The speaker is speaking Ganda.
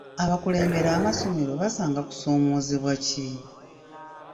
Abakulembera amasomero basanga kusoomozebwa ki?